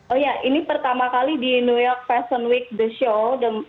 oh iya ini pertama kali di new york fashion week the show